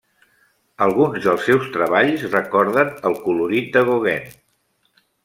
Alguns dels seus treballs recorden el colorit de Gauguin.